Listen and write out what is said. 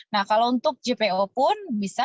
nah kalau untuk jpo pun bisa